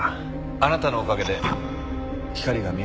あなたのおかげで光が見え始めました。